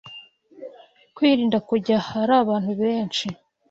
kwirinda kujya ahari abantu benshi